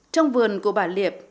trong vườn của bà liệp